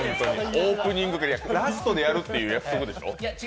オープニングから、ラストでやるって約束でしょ？